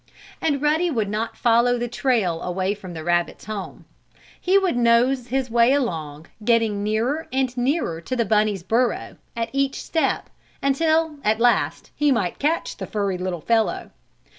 And Ruddy would not follow the trail away from the rabbit's home. He would nose his way along, getting nearer and nearer to the bunny's burrow at each step until, at last, he might catch the furry little fellow.